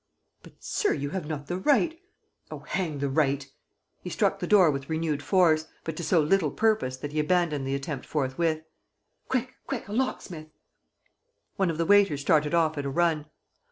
"But, sir, you have not the right ..." "Oh, hang the right!" He struck the door with renewed force, but to so little purpose that he abandoned the attempt forthwith: "Quick, quick, a locksmith!" One of the waiters started off at a run.